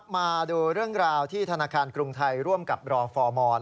มาดูเรื่องราวที่ธนาคารกรุงไทยร่วมกับรอฟอร์มอน